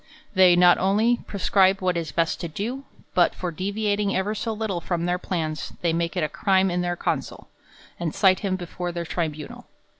They not only prescribe what is best to do ; but for deviating ever so little from their plans, they make it a crime in their consul, and cite him before their tribunal.